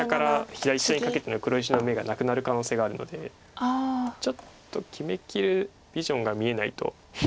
左下にかけての黒石の眼がなくなる可能性があるのでちょっと決めきるビジョンが見えないと。